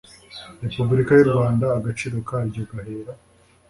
repubulika y u rwanda agaciro karyo gahera